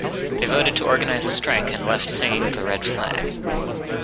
They voted to organise a strike and left singing "The Red Flag".